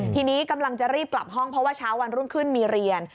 ทีนี้กำลังจะรีบกลับห้องเพราะว่าเช้าวันรุ่งขึ้นมีเรียน